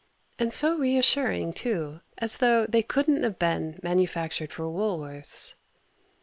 And so reassuring, too, as though they couldn't have been manufactured for Woolworth's.